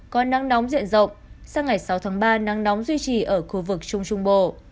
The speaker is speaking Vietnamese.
có nắng nóng diện rộng sang ngày sáu tháng ba nắng nóng duy trì ở khu vực trung trung bộ